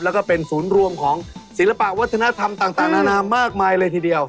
แล้วก็เป็นศูนย์รวมของศิลปะวัฒนธรรมต่างนานามากมายเลยทีเดียว